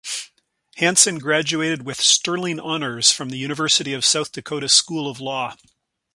Hansen graduated with "Sterling Honors" from the University of South Dakota School of Law.